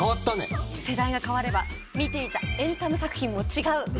世代が変われば見ていたエンタメ作品も違う。